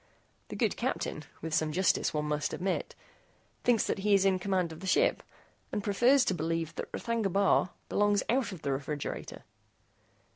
The good captain, with some justice, one must admit, thinks that he is in command of the ship, and prefers to believe that R'thagna Bar belongs out of the refrigerator."